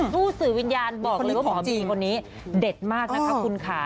สื่อวิญญาณบอกเลยว่าหมอบีคนนี้เด็ดมากนะคะคุณค่ะ